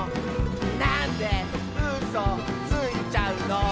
「なんでうそついちゃうの」